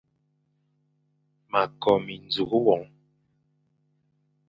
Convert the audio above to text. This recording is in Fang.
Ma ko minzùkh won.